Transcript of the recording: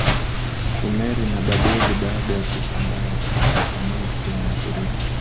Sumeri na Babeli Baada ya kusambaratika kwa milki ya Waturuki